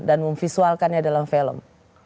dan memvisualkannya dalam film